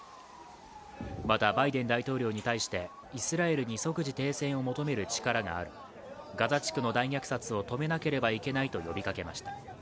また、バイデン大統領に対してイスラエルに即時停戦を求める力がある、ガザ地区の大虐殺を止めなければいけないと呼びかけました。